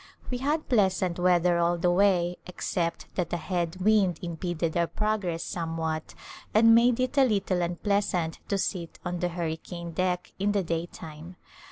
We had pleasant weather all the way except that a head wind impeded our progress somewhat and made it a little unpleasant to sit on the hurricane deck in the daytime.